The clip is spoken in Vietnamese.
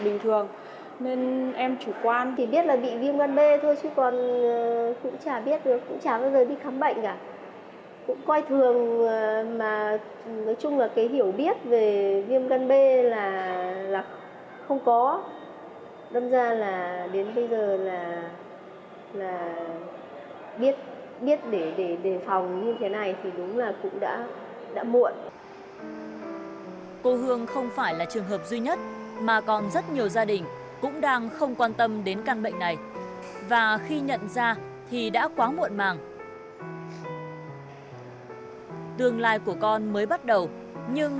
bình thường nên em chủ quan thì biết là bị viêm gan b thôi chứ còn cũng chả biết được cũng chả bao giờ đi khám bệnh cả cũng coi thường